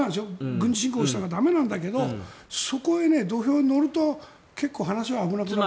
軍事侵攻したら駄目なんだけどそこへ土俵に乗ると結構、話が危なくなってくる。